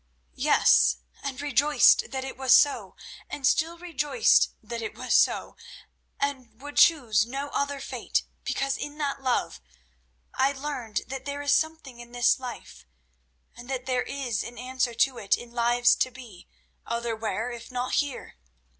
Yes, and rejoiced that it was so, and still rejoice that it is so, and would choose no other fate, because in that love I learned that there is a meaning in this life, and that there is an answer to it in lives to be, otherwhere if not here.